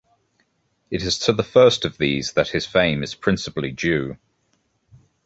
It is to the first of these that his fame is principally due.